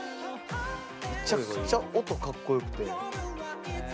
めちゃくちゃ音かっこよくて。